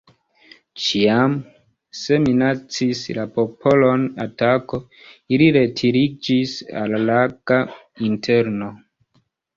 Ĉiam, se minacis la popolon atako, ili retiriĝis al la laga interno.